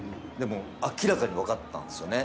明らかに分かったんですよね。